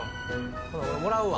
これ俺もらうわ。